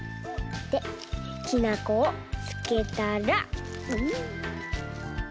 できなこをつけたら」。